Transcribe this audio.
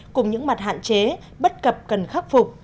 cùng những mặt hạn chế bất cập cần khắc phục